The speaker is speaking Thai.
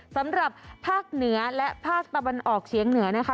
สำหรับภาคเหนือและภาคตะวันออกเฉียงเหนือนะคะ